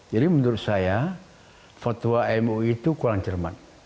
jadi menurut saya fatwa mui itu kurang cermat